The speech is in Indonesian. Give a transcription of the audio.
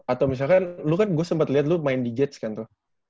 atau misalkan lu kan gue sempet liat lu main di jets kan tuh